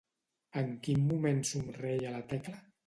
En quin moment somreia la Tecla?